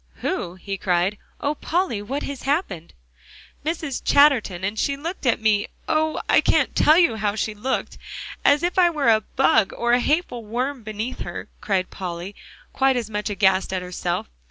"Who?" he cried. "Oh, Polly! what has happened?" "Mrs. Chatterton. And she looked at me oh! I can't tell you how she looked; as if I were a bug, or a hateful worm beneath her," cried Polly, quite as much aghast at herself.